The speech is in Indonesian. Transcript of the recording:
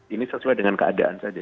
ini sesuai dengan keadaan saja